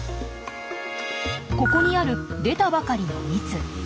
ここにある出たばかりの蜜。